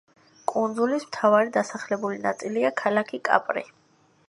კუნძულის მთავარი დასახლებული ნაწილია ქალაქი კაპრი.